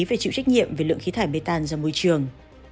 phải chịu trách nhiệm về lượng khí thải metan ra môi trường